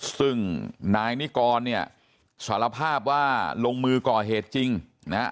ซึ่งนายนิกรเนี่ยสารภาพว่าลงมือก่อเหตุจริงนะฮะ